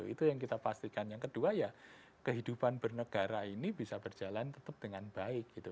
itu yang kita pastikan yang kedua ya kehidupan bernegara ini bisa berjalan tetap dengan baik gitu